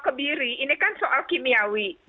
kebiri ini kan soal kimiawi